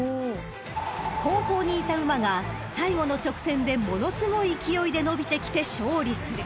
［後方にいた馬が最後の直線でものすごい勢いで伸びてきて勝利する］